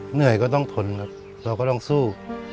เหนื่อยก็ต้องทนครับเราก็ต้องสู้